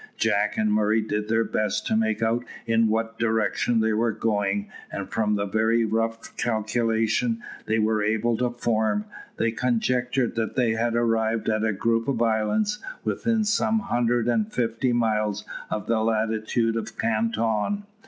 Jack and Murray did their best to make out in what direction they were going, and from the very rough calculation they were able to form, they conjectured that they had arrived at a group of islands within some hundred and fifty miles of the latitude of Canton.